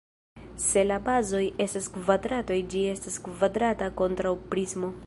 Se la bazoj estas kvadratoj ĝi estas kvadrata kontraŭprismo.